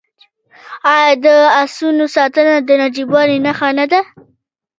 آیا د اسونو ساتنه د نجیبوالي نښه نه ده؟